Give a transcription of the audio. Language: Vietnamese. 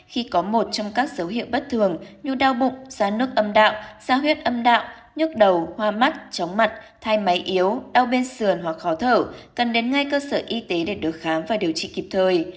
khi có một trong các dấu hiệu bất thường như đau bụng sa nước âm đạo gia huyết âm đạo nhức đầu hoa mắt chóng mặt thay máy yếu đau bên sườn hoặc khó thở cần đến ngay cơ sở y tế để được khám và điều trị kịp thời